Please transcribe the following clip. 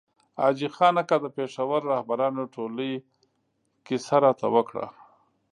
حاجي خان اکا د پېښور رهبرانو ټولۍ کیسه راته وکړه.